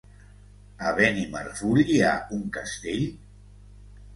A Benimarfull hi ha un castell?